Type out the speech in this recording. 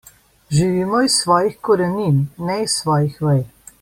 Živimo iz svojih korenin in ne iz svojih vej.